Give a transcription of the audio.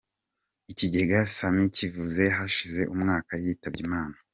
Ikigega ‘Sami’ kivutse hashize umwaka yitabye Imana